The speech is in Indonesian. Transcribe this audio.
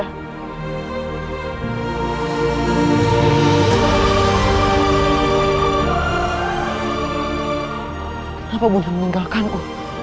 kenapa bunda meninggalkanku